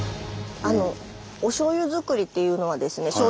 おしょうゆづくりっていうのはですね